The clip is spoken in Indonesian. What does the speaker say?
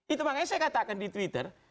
itu makanya saya katakan di twitter